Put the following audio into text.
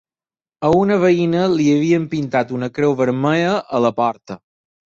A una veïna li havien pintat una creu vermella a la porta.